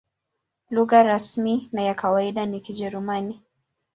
Lugha rasmi na ya kawaida ni Kijerumani.